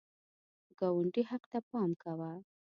د ګاونډي حق ته پام کوه